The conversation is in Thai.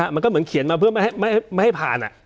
มันก็เหมือนเขียนมาเพื่อไม่ให้ผ่าน